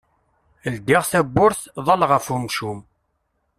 Ldiɣ tabburt, ḍalleɣ ɣef umcum.